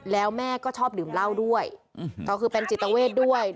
แล้วแม่ก็ชอบดื่มเหล้าด้วยก็คือเป็นจิตเวทด้วย